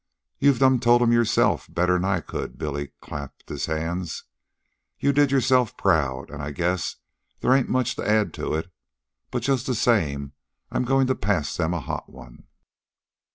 "You've told'm yourself, better'n I could." Billy clapped his hands. "You did yourself proud, an' I guess they ain't much to add to it, but just the same I'm goin' to pass them a hot one."